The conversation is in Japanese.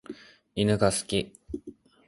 犬が好き。